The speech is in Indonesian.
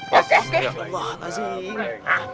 wah apa sih